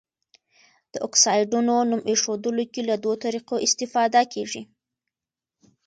د اکسایډونو نوم ایښودلو کې له دوه طریقو استفاده کیږي.